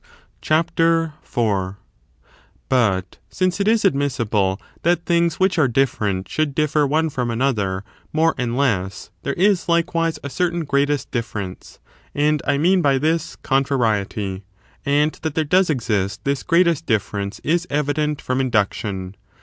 CHAPTER IV.i 1. Contrariety BuT siucc it is admissible that things which greate8t"ifer ^^^ different should differ one from another ence. more and less, there is, likewise, a certain greatest difference ; and I mean by this contrariety : and that there does exist this greatest difference is evident from induc tion.